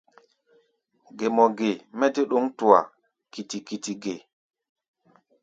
Gé mɔ ge mɛ dé ɗǒŋ tua kiti-kiti ge?